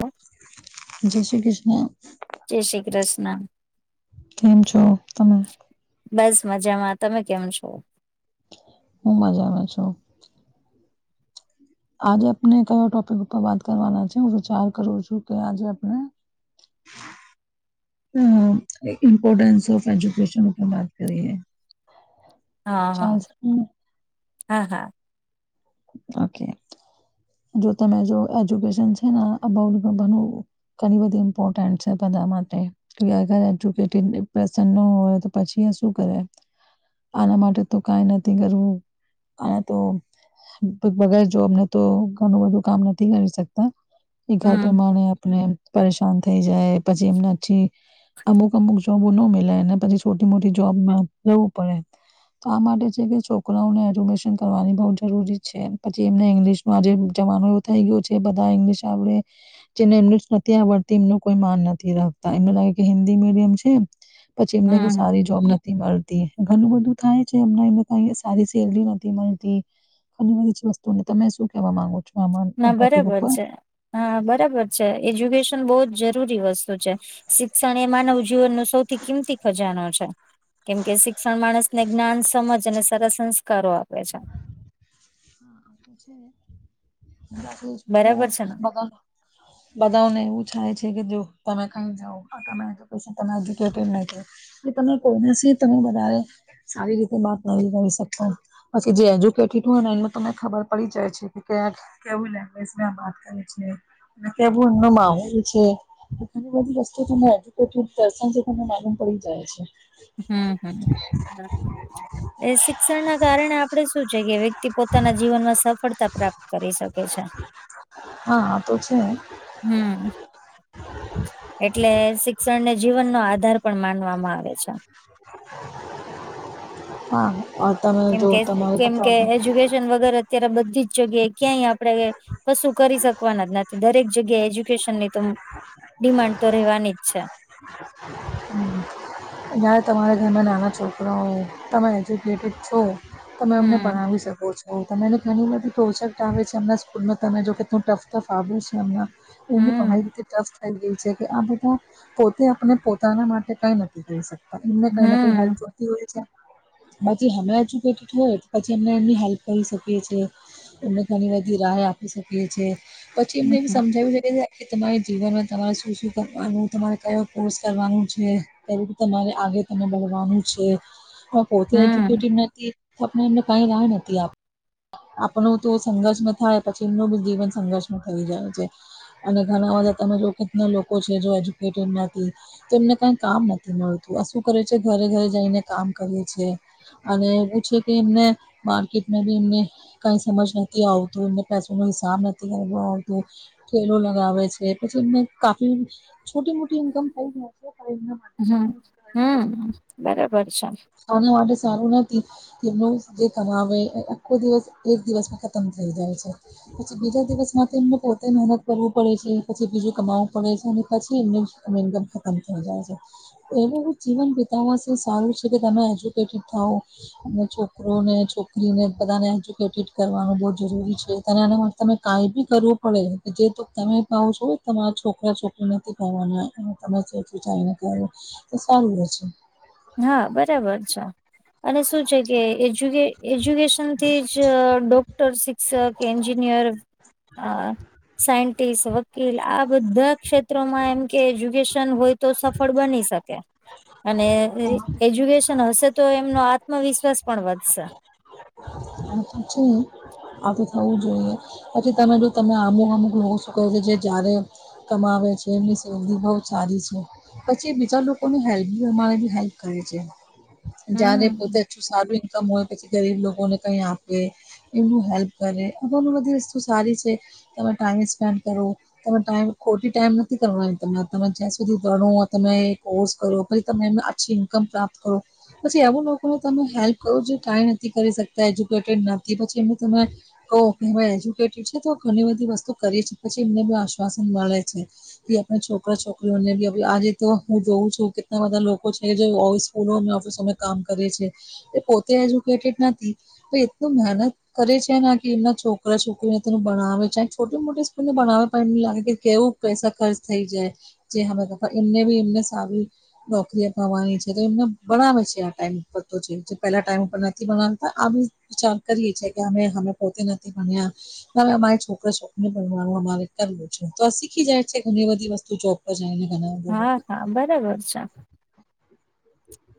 હ. [unintelligible] જય શ્રી કૃષ્ણ, કૃષ્ણ કેમ છો તમે? બસ મજામાં. તમે કેમ છો? હું મજામાં છું. આજે આપને કયો ટોપિક ઉપર વાત કરવાના છે હું વિચાર કરું છું કે આજે આપણે હ [inaudible] ઈમ્પોર્ટન્સ ઓફ એજુકેશન ઉપર બાત કરીએ. હા હા ચાલશે હા હા. ઓકે! જો તમે જો એજ્યુકેશન છે ને અબાઉ બનું ઘણી બધી ઇમ્પોર્ટન્ટ છે બધા માટે કેગર એજુકેડસ હોય તો પછી શું કરે આના માટે તો કઈ નથી કરવું આને તો વગર જોબને તો ઘણું બધું કામ નથી કરી શકતા. એ ઘર હમ પ્રમાણે આપને પરેશાન થઈ જાય પછી એમનેછી અમુક અમુક જોબો ન મળે ને પછી છોટી મોટી જોબ જવું પડે. તો આ માટે છે કે છોકરાઓને એજ્યુકેશન કરવાની બહુ જરૂરી છે પછી એમને ઇંગ્લિશનું આજે જમાનો એવું થઈ ગયો છે બધા ઇંગ્લિશ આવડે જેને એમને જ નથી આવડતી એમનું કોઈ માન નથી રાખતા એમને લાગે કે હિન્દી મીડિયમ છેમ પછી એમને કોઈ હમ હમ સારી જોબ નથી મળતી ઘણું બધું થાય છે એમ એ કઈ સારી સેલરી નથી મળતી. ઘણી બધી જ વસ્તુઓનેમે શું કહેવા માંગો છો? આમાં આ ના ટોપિક બરાબર ઉપર છે. હા બરાબર છે એજ્યુકેશન બહુ જ જરૂરી વસ્તુ છે શિક્ષણ એ માનવ જીવનનો સૌથી કિંમતી ખજાનો છે. કેમ કે શિક્ષણ માણસને જ્ઞાન, સમજ અને સરસ સંસ્કારો આપે છે. બરાબર છે ને [unintelligible] બધાને એવું થાય છે કે જો તમે કઈ જાાવ [unintelligible] કે તમે કોઈનેથી તમે વધારે સારી રીતે વાત નથી કરી શકો. બાકી જે એજ્યુકેટેડ હોય ને એમાં તને ખબર પડી જાય છે. કેવું લેંગ્વેજ વાત કરી છે અને કેવું એમનો માહોલ છે ઘણી બધી રસ્તો તને એજુકેડ દર્શન તમને માલુમ પડી જાય છે [unintelligible] હમ હમ એ શિક્ષણ ના કારણે આપણે શું છે કે વ્યક્તિ પોતાના જીવનમાં સફળતા પ્રાપ્ત કરી શકે છે. હા આતો છે. હમ એટલે શિક્ષણ ને જીવનનો આધાર પણ માનવામાં આવે છે. હા તમે જો કેમકે તમારે કેમ કે એજ્યુકેશન વગર અત્યારે બધી જ જગ્યાએ ક્યાંય આપડે કશું કરી શકવાના જ નથી દરેક જગ્યાએ એજ્યુકેશનની તો- ડિમાન્ડ તો રહેવાની જ છે. હમ જ્યારે તમારા ઘરના નાના છોકરાઓ તમે એજ્યુકેટેડ છો. તમે અમને હમ ભણાવી શકો છો. તો તમને ઘણી બધી પ્રોજેક્ટ આવે છે અમનાં સ્કૂલમાં તમે જો કે કેટલું ટફ ટફ આવ્યું છે આમનાં. એ ને પઢાઈ હમ રીતે ટફ થઈ ગઈ છે કે આ બધા પોતે આપને પોતાના માટે કઈ ન એમને કોઈનાથી કઈ હેલ્પ હમ જોતી હોય છે બાછી અમે એજુકેટેડ હોય પછી અમને એમની હેલ્પ કરી શકીએ છીએ. અમને ઘણી બધી રાહ આપી શકીએ છેએ પછી એમને એ હમ સમજાવી શકે કે તમારી જીવનમાં તમારે શું શું કરવાનું તમારે કયો કોર્સ કરવાનું છે? એવુ તમારે આગે તને બવાનું છે પોતે એજુકેટ હમ નથી. આપને એમને કઈ રાહ નથી આપ આપણું તો સંઘર્ષમાં થાય પછી એમનું બી જીવન સંઘર્ષમાં થઈ જાય છે. અને ઘણા બધા તમે જો કે કેટલા લોકો છે એજ્યુકેટેડ નથી તો એમને કઈ કામ નથ થી મળતું આ શું કરે છે ઘરે ઘરે જઈને કામ કરીએ છે. અને એવું છે કે એમને માર્કેટમાં બી એમને કઈ સમજ નથી આવતું એમને પાસે નો હિસાબ નથી કરવા આવતું. ઠેલો લગાવે છે પછી એમને કાફી છોટી મોટી ઈન્કમ થઈ જાય છે પણ એમના માટે હા ઘર હમ્મ બરાબર છે. આને માટે સારું નથી. એનું જે કમાવે એ આખો દિવસ એક દિવસમાં ખતમ થઈ જાય છે. પછી બીજા દિવસમાંથી એમને પોતે મહેનત કરવું પડે છે પછી બીજું કમાવું પડે છે અને પછી એમને હવે ઇન્કમ ખતમ થઈ જાય છે એ લોકો જીવન બીતાવા આવા માટે સારું જ જે તે તમે એજ્યુકેટેડ થઓ અને છોકરોને છોકરીને બધાને એજ્યુકેટેડ કરવાનું બહુ જરૂરી છે [unintelligible] તમે કઈ બી કરવો પડે જે તો તમે કહો છો તમારા છોકરા છોકરીને ની ભણવાના હોય તમે જે વિચારીને કરો એ સારું રહે છે. હા બરાબર છો. અને શું છે કે એજ્યુ એજ્યુકેશનથી જ ડોક્ટર સી સર કે એન્જિનિયર આ સાયન્ટીસ્ટ વકીલ આ બધા ક્ષેત્રોમાં એમ કે એજ્યુકેશન હોય તો સફળ બની શકે અને એ એજ્યુકેશન હશે તો એમનો આત્મવિશ્વાસ પણ વધશે. અમે પણ છું આ તો થવું જોઈએ પછી તમે જો તમે અમુ અમુક લોકો શું કહે છે જે જ્યારે કમાવે છે એમની સેલેરી બહુ સારી છે. પછી બીજા લોકોને હેલ્પ બી અમારે બી હેલ્પ કરે છે જ્યારે પોતે હમ સારું ઈન્કમ હોય પછી ગરીબ લોકોને કઈ આપે એમનું હેલ્પ કરે અ બધી વસ્તુ સારી છે તમે ટાઈમ સ્પેન્ડ કરો. તમે ટાઈમ ખોટી ટાઈમ નથી કરવાની તમે તમે જ્યાં સુધી ભણો આ તમે કોર્સ કરો. પછી તેમને આછી ઇન્કમ પ્રાપ્ત કરો. પછી આવું લોકોને તમે હેલ્પ કરો જે ટ્રાય નથી કરી શકતા એજ્યુકેટેડ નથી પછી એમનું તમે ઓ કહેવાય એજ્યુકેટેડ છે તો ઘણી બધી વસ્તુ કરી છે પછી એમને બ આશ્વાસન મળે છે. કે આપણા છોકરા છોકરીઓને બી આજે તો હું જોઉં છું કેટલા બધા લોકો છે. જે ઓ સ્કૂલો ઓફિસો કામ કરે છે એ પોતે એજ્યુકેટેડ નથી. પણ એટલું મહેનત કરે છે ને કી એમના છોકરા છોકરીનેનું ભણાવે છે છોટી મોટી સ્કૂલને ભણાવે પણ ની લાગે કે કેવો પૈસા ખર્ચ થઈ જાય જે [unintelligible] એમને બી એમને સારી નોકરી તો વહે છે જેમના ભણાવે છે આ ટાઈમ પર તો જે પહેલા ટાઈમ ઉપર નથી ભણાવતા આ બી વિચાર કરીએ છીએ કે અમે અમે પોતે નથી ભણ્યા તો અમારે છોકરા છોકરી ને ભણવાનું અમારે કરવું છે તો આ શીખી જાય છે ઘણી બધી વસ્તુ જો [unintelligible] ને ઘણા લોકો આ બરાબર છા.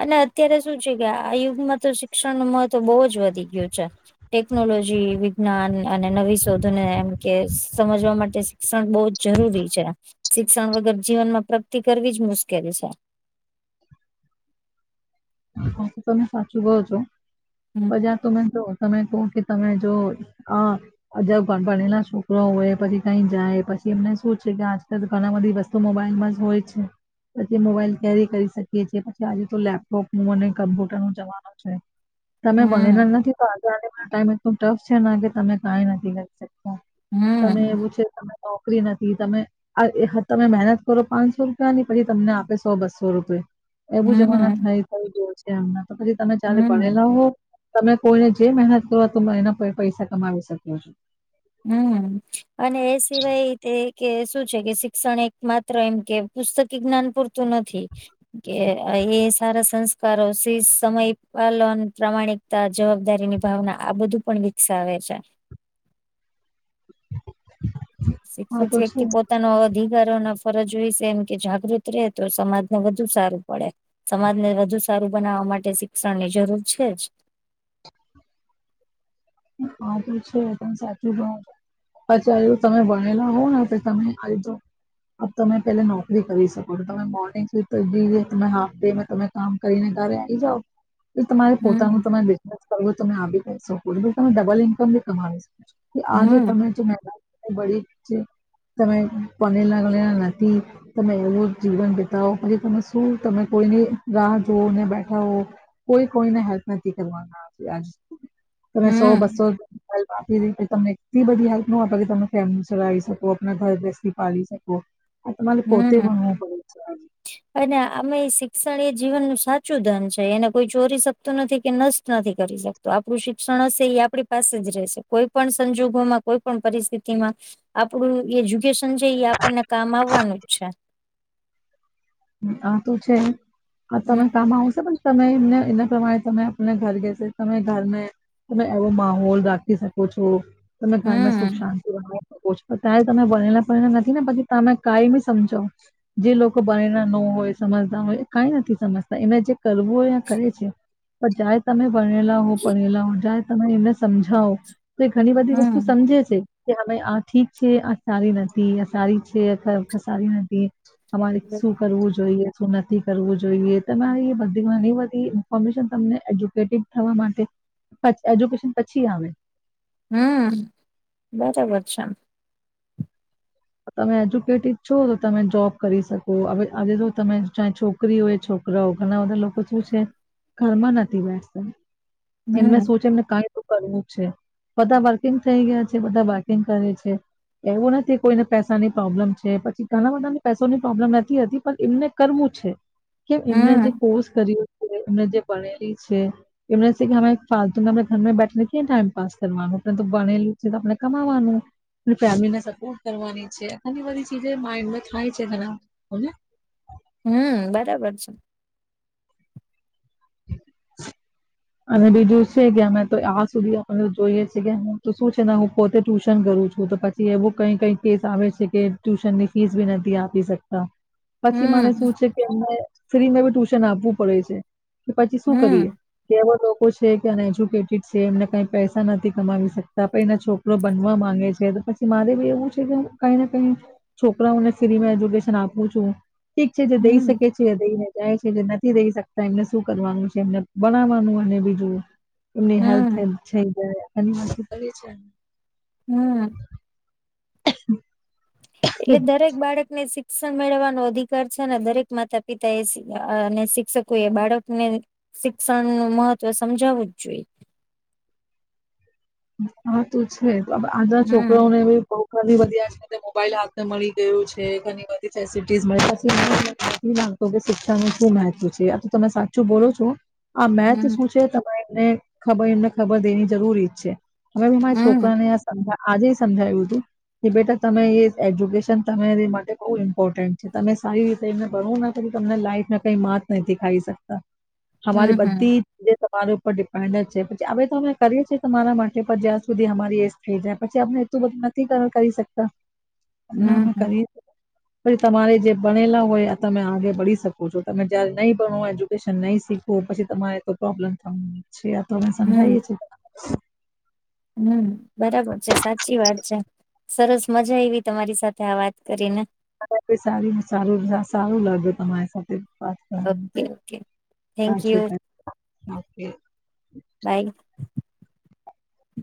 અને અત્યારે શું છે કે આ યુગમાં તો શિક્ષણ નું મહત્વ બહુ જ વધી ગયું છે. ટેકનોલોજી વિજ્ઞાન અને નવી શોધને એમ કે સમજવા માટે શિક્ષણ બહુ જ જરૂરી છે શિક્ષણ વગર જીવન માં પ્રગતિ કરવી જ મુશ્કેલી છે. હ તો તમે સાચું કહો છો હમ બજા તમે જો તમે કહો કે તમે જો આ અજ ભણેલા છોકરા હોય પછી કઈ જાય પછી એમને શું છે કે આજકાલ ઘણા બધી વસ તો મોબાઈલમાં જ હોય છે પછી મોબાઈલ કેરી કરી શકીએ છી પછી આ જે તો લેપ કોક નું અને કમ્પ્યુટર નું જવાનું છે તમે ભણેલા હમ નથી જ ટાઈમટું ટફ છે કે તમે કઈ નથી કરી શકતા તમે હમ એવું છે તમે નોકરી નથી તમે તમે મહેનત કરો પાંચસો રૂપિયા ની પછી તમને આપે સો બસો રૂપિયા હમ મ તો પછી તમે ચારે હમ ભણેલા તમે કોઈને જે મહેનત કરો તો એના પર પૈસા કમાવી શકો્યો છો હમ અને એ સિવાય તે કે શું છે કે શિક્ષણ એક માત્ર એમ કે પુસ્તક જ્ઞાન પૂરતું નથી કે એ સારા સંસ્કારો સમય પાલન પ્રમાણિક જવાબદારી ની ભાવના આ બધું પણ વિકસાવે છે હા તો છે, શી્ પો પોતાનો અધિકારો ના ફરજ હોય છે એમ કે જાગૃત રહે તો સમાજને વધુ સારું પડે સમાજને વધુ સારું બનાવવા માટે શિક્ષણ ની જરૂર છે જ હા તો છે એ પણ સાચી બ અત્યારે તમે ભણેલા હોવ ને તમે આવીજો તમે પેલા નોકરી કરી શકો છો તમે મોર્નિંગ સુી તમે હાફ ડેમાં તમે કામ કરીને ત્યારે આવીઈ જાાવ એ તમારે પોતાનું હમ તમે બિઝનેસ કરવો તો તમે આવી ક શકો છો તમે ડબલ ઇન્કમ ભી કમાવી શકો છો કે આજે તમે હમ જે મ બળી તમે પનેર લ નથી તમે એવું જીવન બીતાવો પછી તમે શું તમે કોઈની રાહ જોવ ને બેઠા હો કોઈ કોઈને હેલ્પ નથી કરવાના આજ તમે સો હમ બસો હેલ્પ આપી ર તમને એટલી બધી હેલ્પ ન આપે કે તમે ફેમિલી ચલાવી શકો આપણા ઘર બેસીથી પાલી શકો આ તમારે પોતે હમ ભનવું પડે છે અને આમાં શિક્ષણ એ જીવન ન સાચું ધન છે એને કોઈ ચોરી શકતું નથી કે ન નથી કરી શકતો આપણું શિક્ષણ હશે એ આપણી પાસે જ રહેશે કોઈ પણ સંજોગોમાં કોઈ પણ પરિસ્થિતિમાં આપડું એજ્યુકેશન છે એ આપણને કામ આવવાનું જ છે આ તું છે આ હમ તમે કામ આવશે પણ તમે એમને એના પ્રમાણે તમે આપને ઘર ગસે તમે ઘર તમે એવો માહોલ રાખી શકો છો તમે ઘરમાં સુખ હમ શાંત છ ત્યારે તમે ભણેલાલા નથી ને પછી તમે કઈમી સમજો જે લોકો પરણ ન હોય સમજદ ન હોય કઈ નથી સમજતા એને જે કરવું હોય એ કરે છે પણ જ તમે ભણેલા હો ભણેલા હો જાય તમે એમને સમજાવો તો એ ઘણી બધી વસ્તુ હમ સમજે છે કેમે આ ઠીક છે આ સારી નથી આ સારી છે સારી નથી શું કરવું જોઈએ શું નથી કરવું જોઈએ તમારી બધી ઘણી બધી ઇન્ફોર્મેશન તમને એજ્યુકેટેડ થવા માટે પ એજ્યુકેશન પછી આવે હમ બરાબર છેમ તમે એજ્યુકેટેડ છો તો તમે જોબ કરી શકો હવે આજે જો તમે છોક છોકરી હોય છોકરાઓ ઘણા બધા લોકો શું છે ઘરમાં નથી બેસતા એ મે હમ સોચે એને ક કરવું છે બધા પર્કિંગ થઈ ગયા છે બધા બાર્કિંગ કરે છે એવું નથી કોઈને પૈસાની પ્રોબ્લેમ છે પછી ઘણા બધાની પેસોની પ્રોબ્લેમ નથી હતી પણ એમને કરવું છે કે એમને જે હમ કોર્સ કર્યો છે એમને જે ભણેલી છે. એમને છે કે ફાતુને આપણે ઘરમાં બેઠને ક્યા ટાઈમ પાસ કરવાનું આપણે તો બનેલું છે આપણે કમાવાનું. ફેમિલી ને સપોર્ટ કરવાની છે ઘણી બધી ચીજ માઇન્ડમાં થાય છે ઘણાને હમ બરાબર છે અને બીજું છે કે અમે તો આ સુધી આપ જોઈએ છે કે હું શું છે ને હું પોતે ટ્યુશન કરું છું તો પછી એવું કઈ કઈ કેસ આવે છે કે ટ્યુશન ની ફીસ ભી નથી આપી શકતા પછી માને હમ શું છે કે અમને ફ્રીમાં બી ટ્યુશન આપવું પડે છે કે પછી શું કરીએ હમ કે એવા લોકો છે કે અનએજ્યુકેટેડ છે એમને કઈ પૈસા નથી કમાવી શકતા પને છોક બનવા માંગે છે, તો પછી મારે બી એવું છે કે કઈ ને કઈ છોકરાઓને ફ્રીમાં એજ્યુકેશન આપું છું. ઠીક છે જે દઈ હમ શકે છે દઈને જાય છે જે નથી દઈ શકતા એમને શું કરવાનું છે એમને બનાવાનું અને બીજું એમની હેલ્થેલ્ હમ થઈ જાય [inaudible] હમ્મ. હ એટલે દરેક બાળક ને શીખ શિક્ષણ મેળવવાનો અધિકાર છે ને દરેક માતા પિતા એ અને અ શિક્ષકો એ બાળકને શિક્ષણ નું મહત્વ સમજાવવું જ જોઈએ. હા તો છે આજના હમ છોકરાઓને ભી બવ ઘણી બધી આજધતે મોબાઈલ હાથે મળી ગયું છે, ઘણી બધી ફેસિલટી મળ [inaudible] તો શિક્ષણનું શું મહત્વ છે આ તો તમે સાચું બોલો છો? આ મેથ હમ શું છે તમારે એમને ખબર એમને ખબર દેવી જરૂરી જ છે. હવે મે મારા હમ છોકરાને આજે સમજાવ્યું તું. કે બેટા તમે એ એજ્યુકેશન તમારી માટે બહુ ઇમ્પોર્ટન્ટ છે તમે સારી રીતે એને ભણો ને તો તમને લાઈફમાં કઈ માત નથી ખાઈ શકતા. અમારી હમ હમ બધી તમારી ઉપર ડિપેન્ડ છે, પછી હવે તો અમે કરીએ છીએ તમારા માટ ટે જ્યાં સુધી અમારી એજ થઈ જાય પછી અને એટલું બધું નથી કરી શકતા. હમ [unintelligible] હમ કરી પછી તમારે જે બનેલા હોય આ તમે આગે બળી શકો છો તમે જયારે નહીં ભણોય નહી શીખવું પછી તમારે તો પ્રોબ્લેમ થવા છે આ તો અમે સમજાયએ છીએ. હમ્મ, બરાબર છે, સાચી વાત છે. સરસ મજા આઈવી તમારી સાથે આ વાત કરીને. સાર સારું સારું લાગે તમારી સાથે. ઓકે પાકોજ ઓકે થેન્ક પાછુ યુ કાઈ [inaudible] બાઈ.